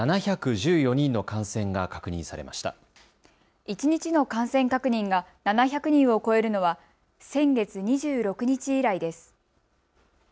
一日の感染確認が７００人を超えるのは先月２６日以来です。